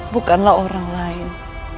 bukanlah orang lain